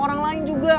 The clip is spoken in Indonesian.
orang lain juga